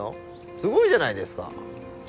すごいじゃないですか。